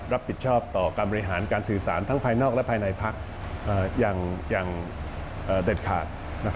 รับผิดชอบต่อการบริหารการสื่อสารทั้งภายนอกและภายในพักอย่างเด็ดขาด